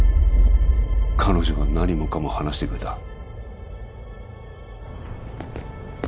彼女が何もかも話してくれた